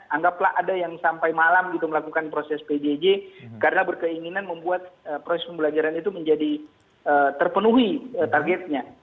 anggaplah ada yang sampai malam gitu melakukan proses pjj karena berkeinginan membuat proses pembelajaran itu menjadi terpenuhi targetnya